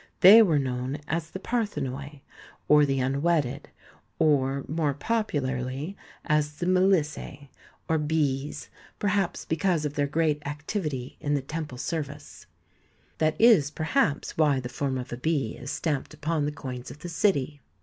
They were known as the Parthenoi, or the Un wedded, or more popularly as the Melissse, or Bees, perhaps because of their great activity in the temple service. That is perhaps why the form of a bee is stamped upon the coins of the city.